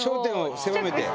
狭めて。